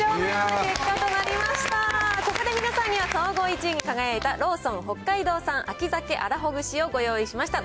ここで皆さんには、総合１位に輝いた、ローソン北海道産秋鮭あらほぐしをご用意しました。